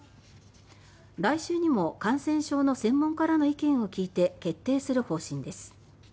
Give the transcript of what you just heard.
来週にも感染症の専門家らの意見を聞いて決定する方針です。